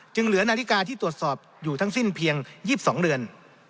เหลือนาฬิกาที่ตรวจสอบอยู่ทั้งสิ้นเพียง๒๒เรือน